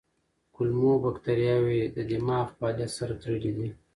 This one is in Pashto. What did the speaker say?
کولمو بکتریاوې د دماغ فعالیت سره تړلي دي.